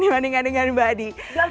dindingkan dindingkan mbak di